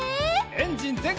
エンジンぜんかい！